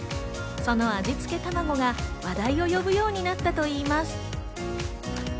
その味付けたまごが話題を呼ぶようになったといいます。